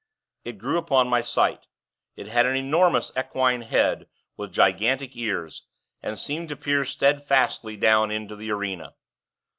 It grew upon my sight. It had an enormous equine head, with gigantic ears, and seemed to peer steadfastly down into the arena.